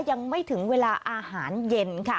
ยังไม่ถึงเวลาอาหารเย็นค่ะ